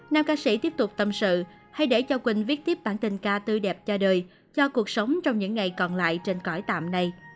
nam ca sĩ tiếp tục tâm sự hay để cho quỳnh viết tiếp bản tình ca tư đẹp cho đời cho cuộc sống trong những ngày còn lại trên cõi tạm này